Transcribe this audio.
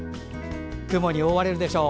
雲に覆われるでしょう。